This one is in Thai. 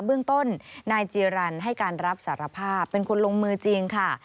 เบื้องต้นนายจีรันให้การรับสารภาพเป็นคนลงมือจริงค่ะ